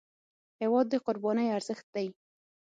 هېواد د قربانۍ ارزښت دی.